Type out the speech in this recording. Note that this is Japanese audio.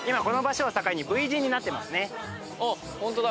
あっホントだ。